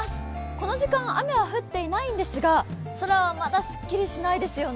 この時間、雨は降っていないんですが空はまだすっきりしないですよね。